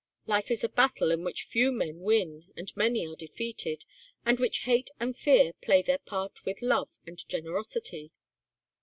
Life is a battle in which few men win and many are defeated and in which hate and fear play their part with love and generosity.